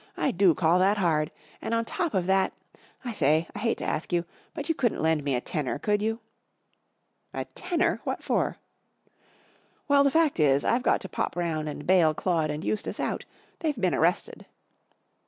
I do call that hard! And on top of that—I say, I hate to ask you, but you couldn't lend me a tenner, could you ?" 44 A tenner ? What for ?" 44 Well, the fact is, I've got to pop round and bail Claude and Eustace out. They've been arrested."